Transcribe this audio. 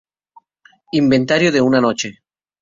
Inventario de una noche".